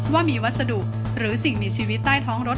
ว่ามีวัสดุหรือสิ่งมีชีวิตใต้ท้องรถ